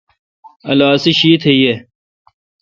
اولو اسی شیشت یہ۔